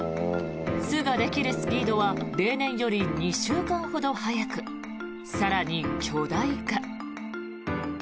巣ができるスピードは例年より２週間ほど早く更に巨大化。